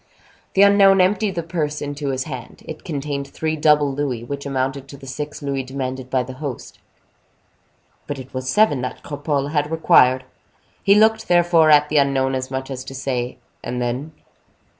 The unknown emptied the purse into his hand. It contained three double louis, which amounted to the six louis demanded by the host. But it was seven that Cropole had required. He looked, therefore, at the unknown, as much as to say, "And then?"